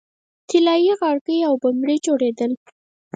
طلايي غاړکۍ او بنګړي جوړیدل